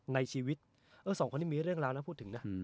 ในชีวิตสองคนนี้มีเรื่องราวนะพูดถึงนะ